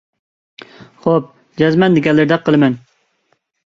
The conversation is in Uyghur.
خوپ، جەزمەن دېگەنلىرىدەك قىلىمەن.